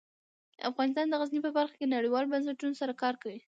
افغانستان د غزني په برخه کې نړیوالو بنسټونو سره کار کوي.